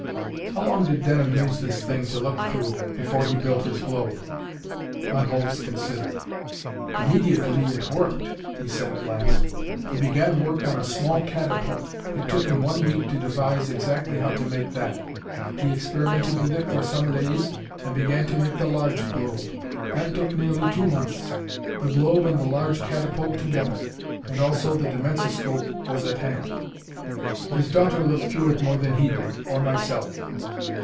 "How long did Denham use this thing to look through, before he built his globe?" Von Holtz considered. "Immediately it worked," he said at last, "he began work on a small catapult. It took him one week to devise exactly how to make that. He experimented with it for some days and began to make the large globe. That took nearly two months the globe and the large catapult together. And also the dimensoscope was at hand. His daughter looked through it more than he did, or myself."